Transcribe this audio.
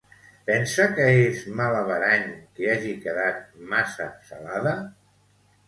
Pensa que és mal averany que hagi quedat massa salada?